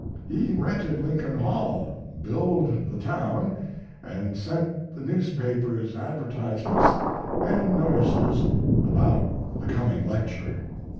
He rented Lincoln hall, billed the town, and sent the newspapers advertisements and notices about the coming lecture.